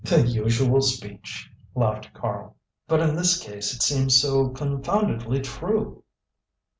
"The usual speech," laughed Karl. "But in this case it seems so confoundedly true."